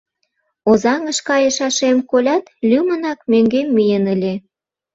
Озаҥыш кайышашем колят, лӱмынак мӧҥгем миен ыле.